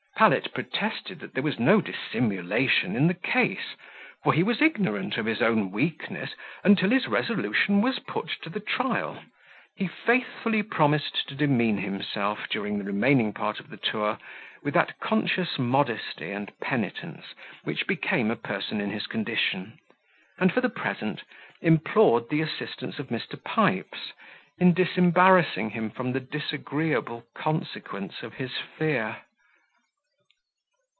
Pallet protested, that there was no dissimulation in the case; for he was ignorant of his own weakness, until his resolution was put to the trial: he faithfully promised to demean himself, during the remaining part of the tour, with that conscious modesty and penitence which became a person in his condition; and, for the present, implored the assistance of Mr. Pipes, in disembarrassing him from the disagreeable consequence of his fear.